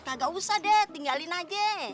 kagak usah deh tinggalin aja